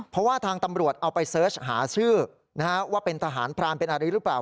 เพราะว่าทางตำรวจเอาไปเสิร์ชหาชื่อว่าเป็นทหารพรานเป็นอะไรหรือเปล่า